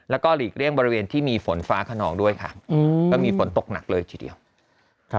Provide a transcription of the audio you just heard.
แล้วก็หลีกเลี่ยงบริเวณที่มีฝนฟ้าขนองด้วยค่ะก็มีฝนตกหนักเลยจริง